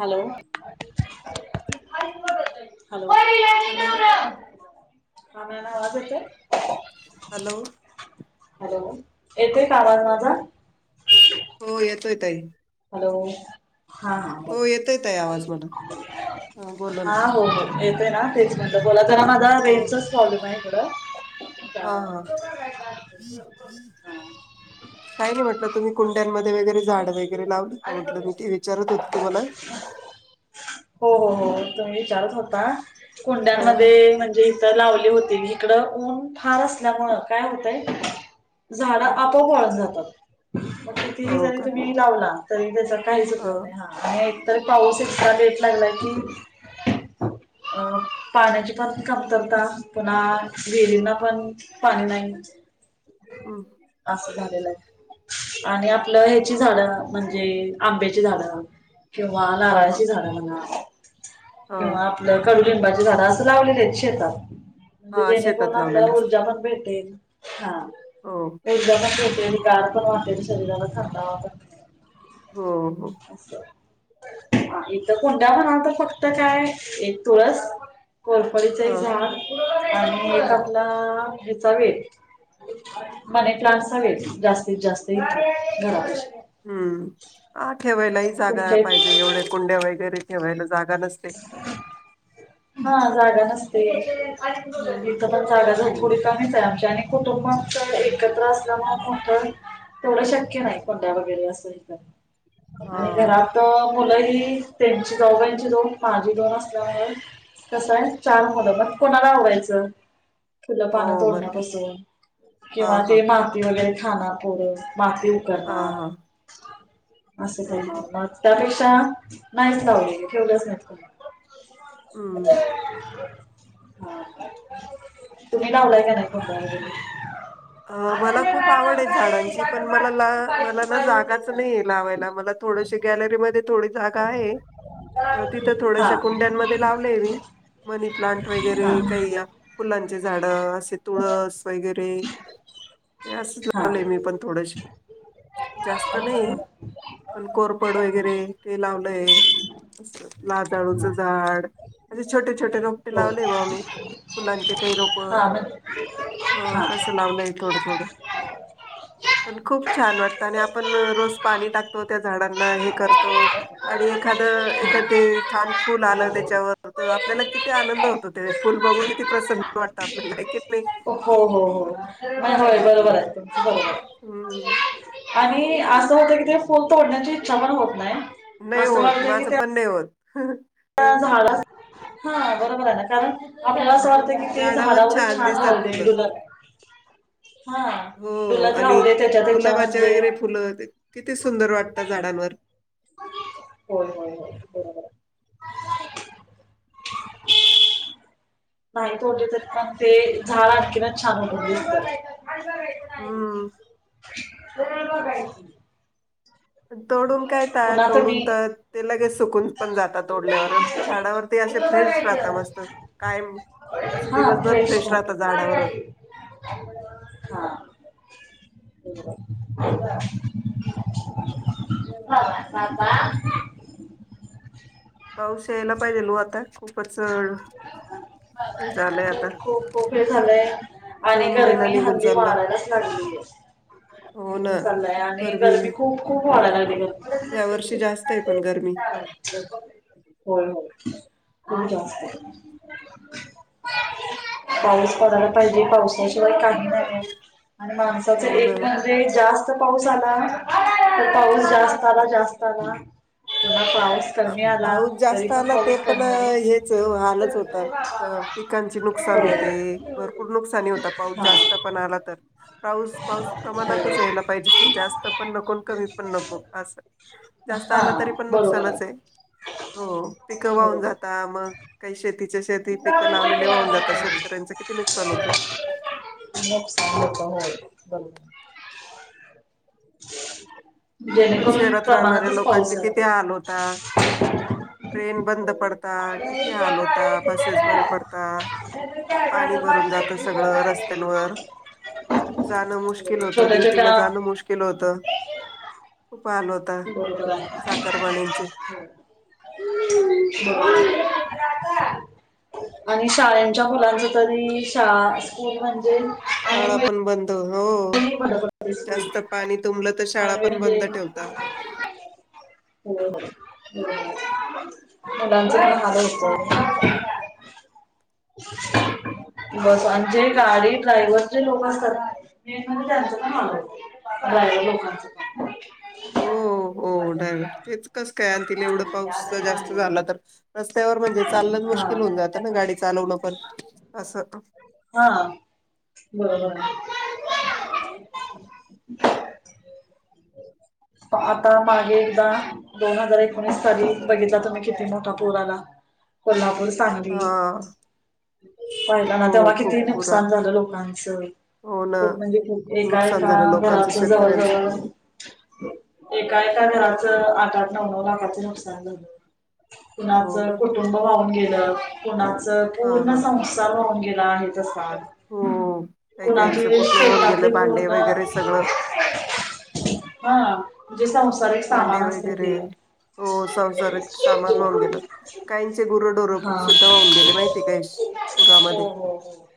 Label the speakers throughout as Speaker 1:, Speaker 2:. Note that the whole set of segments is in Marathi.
Speaker 1: Hello, [inaudible] hello.
Speaker 2: हॅलो.
Speaker 1: [inaudible] आवाज येतोय?
Speaker 2: हॅलो.
Speaker 1: हॅलो. येतोय का, आवाज माझा? [inaudible]
Speaker 2: हो, येतोय ताई.
Speaker 1: हॅलो. हा.
Speaker 2: हो
Speaker 1: बोलतेय.
Speaker 2: येतोय ताई
Speaker 1: [inaudible]
Speaker 2: आवाज मला
Speaker 1: ह,
Speaker 2: बोला ना
Speaker 1: हा हो, हो. येतोय ना? तेच म्हणल. बोला जरा
Speaker 2: हो
Speaker 1: रेंजचाच प्रॉब्लेमय इकडं.
Speaker 2: हा हा
Speaker 1: त्यामुळं.
Speaker 2: [unintelligible] काही नाही. म्हटलं, तुम्ही कुंड्यांमध्ये वगैरे, झाड वगैरे लावली. का
Speaker 1: आली बघ [inaudible]
Speaker 2: म्हटलं मी ते विचारत होते तुम्हाला
Speaker 1: हो, हो, हो. तुम्ही विचारत होता.
Speaker 2: हा
Speaker 1: कुंड्यांमध्ये म्हणजे लावली होती मी. इकडं, ऊन फार असल्यामुळं काय होतंय झाडं
Speaker 2: हा.
Speaker 1: आपोआप वाळून जातात. मग कितीही
Speaker 2: हो
Speaker 1: जरी
Speaker 2: का
Speaker 1: तुम्ही लावला तरी त्याचा काहीच उपयोग्य नाही, हा आणि एकतर पाऊस इतका
Speaker 2: अच्छा
Speaker 1: लेट लागलाय की अ पाण्याची पण कमतरता पुन्हा विहीरींना पण पानी नाही.
Speaker 2: ऊ!
Speaker 1: असं झालेल आहे आणि आपलं ह्याची झाड म्हणजे आंब्याची झाडं. किंवा
Speaker 2: हा हा
Speaker 1: नाराळची झाड म्हणा
Speaker 2: हा
Speaker 1: किंवा आपल कडुलींबाची झाड असं लावलेलीं हेत शेतात. म्हणजे
Speaker 2: हा
Speaker 1: जेणे
Speaker 2: शेतात
Speaker 1: करून
Speaker 2: लावलेले
Speaker 1: आपल्याला
Speaker 2: असते
Speaker 1: ऊर्जा पण भेटेल हा.
Speaker 2: हो!
Speaker 1: ऊर्जा पण भेटेल, गार पण वाटेल, शरीराला थंडावा पण
Speaker 2: हो हो!
Speaker 1: अस. इथ कुंड्या म्हणाल तर फक्त काय आहे, एक तुळस, कोर पडीच एक
Speaker 2: हा
Speaker 1: झाड, आणि एक
Speaker 2: हा
Speaker 1: आपला ह्याचा वेल. मनी प्लांट चा वेल जास्तीत जास्त इथं घरापशी.
Speaker 2: हूं हा ठेवायलाही जागा
Speaker 1: तुमच्या
Speaker 2: पाहिजे
Speaker 1: इथ
Speaker 2: एवढ्या कुंड्या वगैरे ठेवायला जागा नसते.
Speaker 1: भा जागा नसत.
Speaker 2: हम्म
Speaker 1: त जागा झाली [unintelligible] कुडीत आम्हीच आहे आमच्या आणि कुटुंब आमचं एकत्र असल्यामुळ तेवढं शक्य नाही कुंड्या वगैरे असं हित.
Speaker 2: हा
Speaker 1: आणि घरात मुलं ही त्यांची जाऊबांची दोन माझी दोन असल्यामूळ कसं आहे चार मूल म कोणाला आवरायच. फुलं
Speaker 2: हो
Speaker 1: पानं
Speaker 2: बरोबर
Speaker 1: तोडण्यापसून,
Speaker 2: हा
Speaker 1: किंवा
Speaker 2: हा
Speaker 1: ते माती वगैरे खानारं पोर माती ऊं
Speaker 2: हा हा
Speaker 1: करनार असं काही
Speaker 2: हम्म
Speaker 1: मा त्यापेक्षा नाहीच लावलेल ठेवलंच नाही कुणी.
Speaker 2: हूं!
Speaker 1: ह तुम्ही लावलाय का नाही कुंड्या वैगरे.
Speaker 2: अ मला खूप आवड आहे झाडांची पण मला ला मला ना जागाच नाहीये लावायला मला थोडशी गॅलरी मध्ये थोडी जागा आहे. अ तिथं थोडश्या
Speaker 1: हा
Speaker 2: कुंड्यांमध्ये लावलंय मी मनी प्लांट वगैरे
Speaker 1: हा
Speaker 2: काही या फुलांचे झाडं असे तुळस वगैरे. ते असच
Speaker 1: हा हा
Speaker 2: लावलय मी पण थोडशे. जास्त नाही पण कोरपड वगैरे ते लावलंय. लाजाळूचं झाड असे छोटे, छोटे रोपटे
Speaker 1: हो
Speaker 2: लावले बा मी. फुलंचे काही रोप.
Speaker 1: हा मं हा.
Speaker 2: लावलंय थोडं, थोडं. पण खूप छान वाटतं, आणि आपण रोज पाणी टाकतो त्या झाडांना हे करतो. आणि एखादं एखादे छान फुल आलं त्याच्यावर तर आपल्याला किती आनंद होतो ते. फुल बघून किती प्रसन्न वाटतं आपल्याला कि नही.
Speaker 1: हो हो हो, आणि होय बरोबर आहे तुमच बरोबरं.
Speaker 2: हूं!
Speaker 1: आणि असं होतं की ते फुल तोडण्याची इच्छा पण होत नाही.
Speaker 2: नही होत, माझं पण नही होत.
Speaker 1: ह बरोबर आहे ना, कारण आपल्याला असं वा [unintelligible] कि ते झाडावर छान ठवले दुला [unintelligible] हा
Speaker 2: हो
Speaker 1: डुलत
Speaker 2: आणि
Speaker 1: राहू दे त्याच्या त्याच्या
Speaker 2: गुलाबाचे
Speaker 1: म्हणजे
Speaker 2: वगैरे फुलं ते किती सुंदर वाटता झाडांवर
Speaker 1: हो हो हो बरोबर ये माहीत होतंत पण ते झाड आणखीनच छान उठून दिसतं अल बघायच नाही
Speaker 2: हम्म
Speaker 1: तर बघायचं.
Speaker 2: तोडून काय ते
Speaker 1: पुन्हा तुम्ही
Speaker 2: तोडून तर ते लगेच सुकून पण जातात तोडल्यावर झाडावर ते असे
Speaker 1: इकडं
Speaker 2: फ्रेश राहता
Speaker 1: बघायचं.
Speaker 2: मस्त कायम असं दिवसभर फ्रेश राहता झाडावरच
Speaker 1: हा [unintelligible] ह [inaudible] बाबा
Speaker 2: पाऊस यायला पाहिजेल ओ आता खूपच झालंय
Speaker 1: खूप
Speaker 2: आता
Speaker 1: खूप खूप हे झालंय आणि
Speaker 2: जून महिना
Speaker 1: गरमी
Speaker 2: निघून
Speaker 1: हल्ली
Speaker 2: चालला
Speaker 1: वाढायलाच लागलीये
Speaker 2: हो
Speaker 1: निघून
Speaker 2: ना
Speaker 1: चाललाय
Speaker 2: खूप
Speaker 1: आणि
Speaker 2: गरमी
Speaker 1: गरबी खूप खूप वाढयला लागली गर
Speaker 2: या वर्षी जास्तय पण गरमी
Speaker 1: होय होय खूप जास्तय.. पाऊस पडायला पाहिजे पावसाशिवाय काही नाहीये आणि माणसाचं
Speaker 2: हो ना
Speaker 1: एक म्ह णजे जास्त पाऊस आला तर पाऊस जास्त आला जास्त आला थोडा पाऊस कमी आला
Speaker 2: पाऊस
Speaker 1: तरी
Speaker 2: जास्त
Speaker 1: पण
Speaker 2: आला ते
Speaker 1: पाऊस
Speaker 2: पण
Speaker 1: कमी आला
Speaker 2: [unintelligible] हालच होता पिकांचे नुकसान होते भरपूर नुकसानी होता पाऊस
Speaker 1: हो.
Speaker 2: जास्त पण आला तर पाऊस पाऊस
Speaker 1: हा हो
Speaker 2: प्रमाणातच यायला पाहिजे. जास्त पण नको कमी पण नको असं जास्त आला
Speaker 1: हा
Speaker 2: तरीपण नुकस्
Speaker 1: बरोबर
Speaker 2: हो पिकं
Speaker 1: आहे
Speaker 2: वाहून
Speaker 1: बरोबर.
Speaker 2: जाता मग काही शेतीच्या शेती
Speaker 1: नुकसान
Speaker 2: पिकं लावलेले वाहून जातात शेतकऱ्यांचं किती नुकसान होतं
Speaker 1: नुकसान होत हो बरोबर ये
Speaker 2: परत
Speaker 1: जेणेकरून
Speaker 2: शहरात राहणाऱ्या
Speaker 1: प्रमाणातच पाऊस
Speaker 2: लोकांचे
Speaker 1: यायला
Speaker 2: किती
Speaker 1: पाहि...
Speaker 2: हाल होता. ट्रेन बंद पडता किती हाल होता बसेस बंद पडतात पाणी भरून जात सगळं रस्त्यांवर जाणं मुश्किल होतं
Speaker 1: छोट्या
Speaker 2: ड्युटीला
Speaker 1: छोट्या
Speaker 2: जाणं मुश्किल होतं खूप हाल हो..
Speaker 1: बरोबर आहे. हम् ब [unintelligible] [inaudible] आणि शाळेंच्या मुलांनी तरी शा स्कूल म्हणजे आणि
Speaker 2: शाळा पण बं द हो
Speaker 1: भडकते स्कूल
Speaker 2: जास्त पाणी तुंबलं तर शाळा
Speaker 1: आणि
Speaker 2: पण
Speaker 1: म्हणजे
Speaker 2: बंद ठेवता
Speaker 1: हो हो हो हो मुलाचं पण हाल होता बस अन् जे गाडी ड्रायव्हर जे लोक असतात ना [unintelligible] [inaudible] लोकांचं का
Speaker 2: हो हो हो ड्रायव्हर तेच कस काय आणतील
Speaker 1: हा
Speaker 2: एवढं पाऊस जास्त झाला तर र... स्त्यावर म्हणजे चालणचं मुश्किल होऊन जातं ना गाडी चालवणं पण असं
Speaker 1: हा बरोबर
Speaker 2: [inaudible]
Speaker 1: आता मागे एकदा दोन हजार एकोणीस साली बघितला तुम्ही किती मोठा पूर आला. कोल्हापूर, सांगली
Speaker 2: हा
Speaker 1: पाहिलं
Speaker 2: हो
Speaker 1: ना तेव्हा
Speaker 2: खूप
Speaker 1: किती
Speaker 2: पूर
Speaker 1: नुकसान
Speaker 2: आला
Speaker 1: झालं लोकांच?
Speaker 2: हो ना
Speaker 1: खूप म्हणजे खूप एका
Speaker 2: नुकसान
Speaker 1: एका
Speaker 2: झालं लोकांचं
Speaker 1: घराच जवळ
Speaker 2: शेतकऱ्यांचं
Speaker 1: जवळ एका एका घराच आठा नऊ नऊ लाखाचं नुकसान झालं. कुणाच
Speaker 2: हो ना
Speaker 1: कुटुंब वाहून गेलं कुणाच
Speaker 2: हा
Speaker 1: पूर्ण
Speaker 2: हा
Speaker 1: सं सार वाहून गेला आहे तसा.
Speaker 2: हो, काही काहीच
Speaker 1: कुणाची
Speaker 2: पूर्ण होऊन गेलं
Speaker 1: शेतातले
Speaker 2: भांडे
Speaker 1: पूर्ण
Speaker 2: वगैरे सगळं.
Speaker 1: हा, जे संसारिक
Speaker 2: भांडे
Speaker 1: सामान असते ते.
Speaker 2: वगैरे हो संसारिक सामान वाहून गेलं काहींचे गुरंढोरं
Speaker 1: हां.
Speaker 2: सुद्धा वाहून गेले माहिती काय पुरामध्ये
Speaker 1: हो हो हो, हो.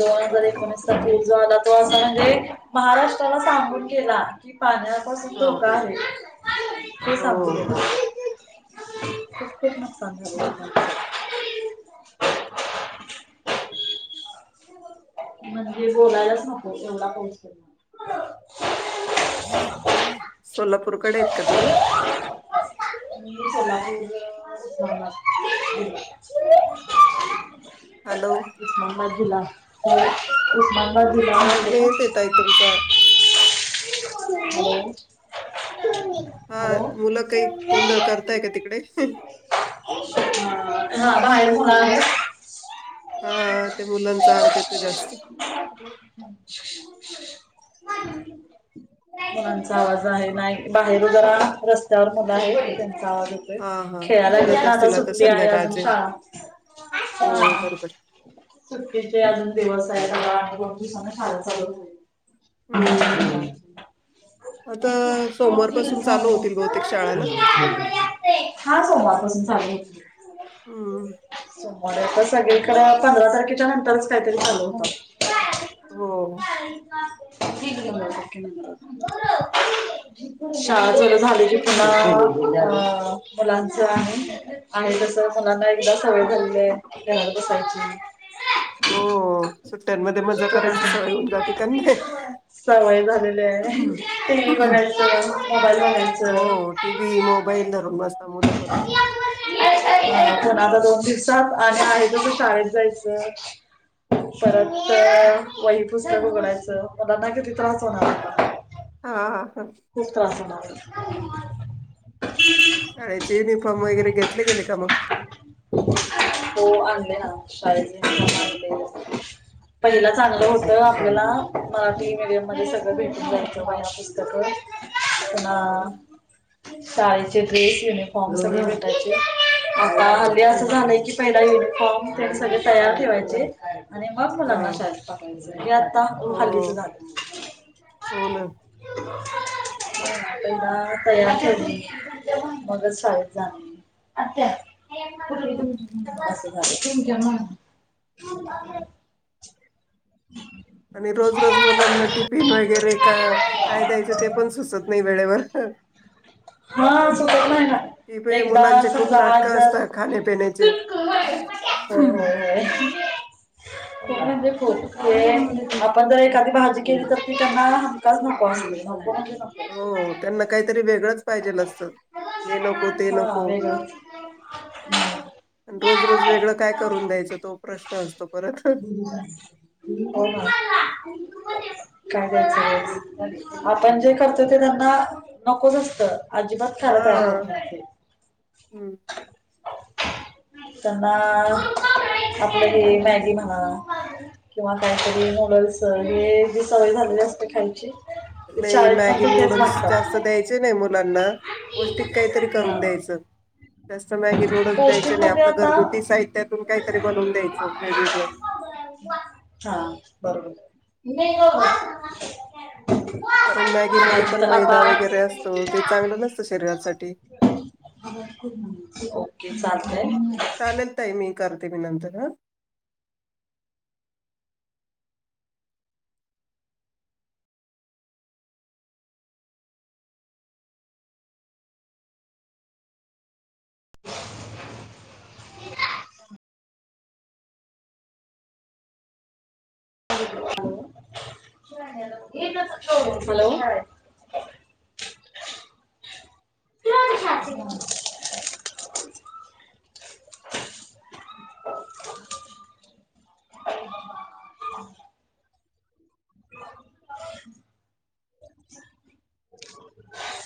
Speaker 1: दोन हजार एकोणीसचा पूर जो आला तो असा म्हणजे महाराष्ट्राला सांगून गेला. कि पाण्या पासून
Speaker 2: हा
Speaker 1: धोका आहे. ते
Speaker 2: हो
Speaker 1: सांगून गेला, किती नुकसान झालं [unintelligible] म्हणजे बोलायलाच नको एवढा पाऊस पडला.
Speaker 2: सोलापूरकडे आहेत का तुम्ही?
Speaker 1: मी सोलापूर, उस्मानाबाद [unintelligible]
Speaker 2: हॅलो.
Speaker 1: उस्माबाद जिला, उस्माबाद जिला
Speaker 2: आवाज
Speaker 1: माहितेये
Speaker 2: नाही
Speaker 1: का?
Speaker 2: येत आहे ताई तुमचा
Speaker 1: आहे का
Speaker 2: हा,
Speaker 1: हॅलो हॅलो
Speaker 2: मुलं काही, गोंधळ करताय का तिकडे?
Speaker 1: [unintelligible]
Speaker 2: हा ते मुलांचा आवाज येतोय जास्त.
Speaker 1: [unintelligible]
Speaker 2: [inaudible]
Speaker 1: मुलांचा आवाज आहे नाही बाहेर जरा रस्त्यावर मुलं आहेत त्यांचा आवाज ये तोय,
Speaker 2: हा हा
Speaker 1: खेळाय लागलेत
Speaker 2: खेळत
Speaker 1: ना आता
Speaker 2: असतील
Speaker 1: सुट्टी आहे अजून
Speaker 2: संध्याकाळचे
Speaker 1: शाळा,
Speaker 2: हो
Speaker 1: हा.
Speaker 2: बरोबर
Speaker 1: सुटटीचे अजून दिवस आहेत आणि दोन दिवसान शाळा चालू होईल.
Speaker 2: हम्म. आता सोमवार पासून चालू होतील बहुतेक शाळा ना.
Speaker 1: ते, हा सोमवार पासून चालु होतील.
Speaker 2: हम.
Speaker 1: सोमवार [unintelligible] सगळी कड पंधरा तारखेच्या नंतरच काहीतरी चालू होतात.
Speaker 2: हो.
Speaker 1: ठीक आहे मॅम, ओके मॅम.
Speaker 2: [inaudible]
Speaker 1: शाळा चालू झाली की पुन्हा अ मुलांचं आहे. आहे तस मुलाना एकदा सवय झालेलीये, घरात बसायची.
Speaker 2: हो, सुट्ट्यांमध्ये मजा करायची
Speaker 1: पुन्हा
Speaker 2: सवय होऊन जाते त्यांने.
Speaker 1: सवय झालेले आहे टी व्ही बघायचं, मोबाईल बघायचं.
Speaker 2: टी व्ही, मोबाईल धरून बसता मुलं पण.
Speaker 1: [unintelligible] पण आता दोन दिवसात आणि आहे तस शाळेत जायचंय.
Speaker 2: हम्म.
Speaker 1: परत, वही पुस्तक उघडायचं मुलांना किती त्रास होणार आता?
Speaker 2: हा हा
Speaker 1: खूप त्रास होणार.
Speaker 2: शाळेचे युनिफॉर्म वगैरे घेतले गेले का मग?
Speaker 1: तो आणले ना शाद पहिलं चांगलं होत आपल्याला मराठी मीडियम मध्ये सगळ भेटून जायचं. तक
Speaker 2: हा
Speaker 1: [unintelligible] शाळेचे ड्रेस युनिफॉर्म सगळे भेटायचे. आता आल् असं
Speaker 2: हम्म.
Speaker 1: झालंय की पहिला युनिफॉर्म त सगळे तयार ठेवायचे. आणि बघ मुलांना
Speaker 2: हा
Speaker 1: शाळेत पकायचं की आता
Speaker 2: हो
Speaker 1: खालीच झालं.
Speaker 2: हो ना
Speaker 1: तला तयार ठ मग साळेत जा अच्छ तमच्या म्ह- ह
Speaker 2: आणि रोज रोज मुलांना टिफिन वगैरे का काय द्यायचं ते पण सुचत नाही वेळेवर.
Speaker 1: हा ज नाही ना
Speaker 2: टिफे
Speaker 1: एकदा
Speaker 2: मुलांचे खूप
Speaker 1: समजाज
Speaker 2: नाटकं असतात खाण्यापिण्याचे
Speaker 1: होय होय
Speaker 2: हम्म.
Speaker 1: होय. [unintelligible] हो आपण जर एखादी भाजी केली तर ती त्यांना हमकाच नको असली नको म्हणज नो
Speaker 2: हो त्यांना काहीतरी वेगळंच पाहिजेल असत हे नको ते नको.
Speaker 1: हा वेगळं
Speaker 2: रोज रोज वेगळं काय करून द्यायचं तो प्रश्न असतो परत
Speaker 1: हो काय द्यायचं आपण जे करतो ते त्यांना नकोच असत. अजिबात
Speaker 2: हा
Speaker 1: खाला तयार होत
Speaker 2: हम्म.
Speaker 1: त्यांना आपलं हे मॅगी हा किंवा काहीतरी नूडल्स हे जी सवय झालेली असते खायची. शाळेत पण तुकेच मागतात.
Speaker 2: द्याय नाही मुलाना पष्ट काहीतरी करून
Speaker 1: हा
Speaker 2: द्याय. नूडल्स
Speaker 1: पौष्टिक
Speaker 2: द्यायचे नाही
Speaker 1: म्हणजे
Speaker 2: आपलं
Speaker 1: आता
Speaker 2: घरगुती साहित्यातून काहीतरी बनून द्यायचं वेगवेगळं
Speaker 1: हा बरोबर [unintelligible] ह
Speaker 2: कारण मॅगी म पण मैदा वगैरे असतो ते चांगलं नसतं शरीरासाठी.
Speaker 1: ओके चालतय.
Speaker 2: चालेलय मी करते मी नंतर ह.
Speaker 1: [unintelligible] ह हो [unintelligible] हॅलो [unintelligible] [unintelligible] [unintelligible] [unintelligible]